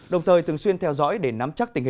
đồng thời thường xuyên theo dõi để nắm chắc tình hình